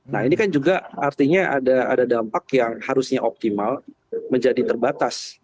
nah ini kan juga artinya ada dampak yang harusnya optimal menjadi terbatas